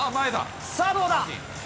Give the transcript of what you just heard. さあ、どうだ。